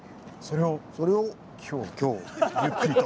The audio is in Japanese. それを今日ゆっくりと。